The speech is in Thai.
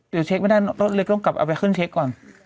เดี๋ยวเช็คไม่ได้เลยต้องกลับเอาไปขึ้นเช็คก่อน